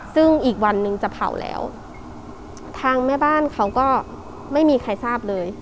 ซึ่งอีกวันนึงจะเผาแล้วทางแม่บ้านเขาก็ไม่มีใครทราบเลย